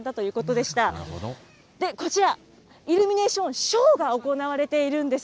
で、こちら、イルミネーションショーが行われているんです。